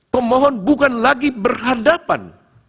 pemohon bukan lagi berhadapan